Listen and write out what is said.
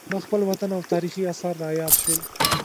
ما خپل وطن او تاریخي اثار را یاد شول.